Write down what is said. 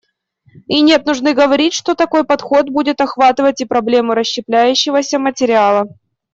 И нет нужды говорить, что такой подход будет охватывать и проблему расщепляющегося материала.